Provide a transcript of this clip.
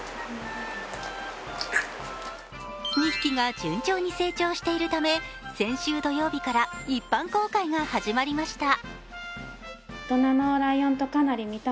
２匹が順調に成長しているため先週土曜日から一般公開が始まりました。